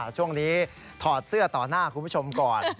ช่วงนี้ถอดเสื้อต่อหน้าคุณผู้ชมก่อน